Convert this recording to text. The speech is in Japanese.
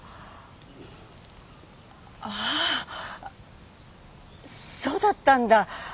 ああそうだったんだ。